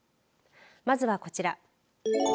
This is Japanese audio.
まずはこちら。